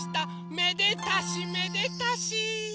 めでたしめでたし！